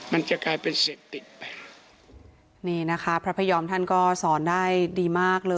มันจะกลายเป็นเสพติดไปนี่นะคะพระพยอมท่านก็สอนได้ดีมากเลย